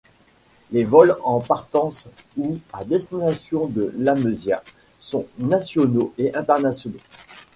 Les vols en partance ou à destination de Lamezia sont nationaux et internationaux.